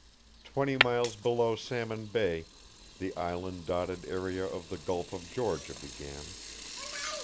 Twenty miles below Salmon Bay the island dotted area of the Gulf of Georgia began.